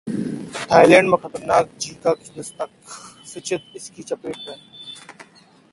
Thailand में खतरनाक Zika की दस्तक, फिचित इसकी चपेट में